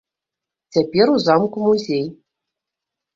Цяпер у замку музей.